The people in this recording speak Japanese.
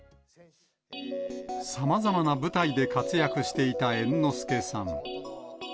さまざまな舞台で活躍していた猿之助さん。